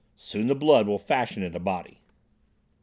Soon the blood will fashion it a body."